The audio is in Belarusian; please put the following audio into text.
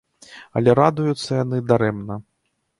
Але радуюцца яны дарэмна.